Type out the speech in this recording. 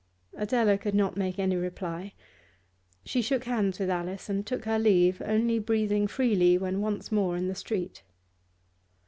Adela could not make any reply; she shook hands with Alice and took her leave, only breathing freely when once more in the street.